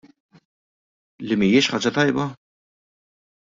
Li mhijiex ħaġa tajba?